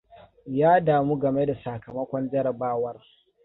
Ya damu game da sakamakon jarabawar.